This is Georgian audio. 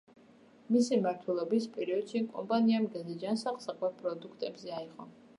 მისი მმართველობის პერიოდში კომპანიამ გეზი ჯანსაღ საკვებ პროდუქტებზე აიღო.